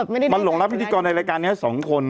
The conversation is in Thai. มันหลงรับพิธีกรในรายการนี้๒คน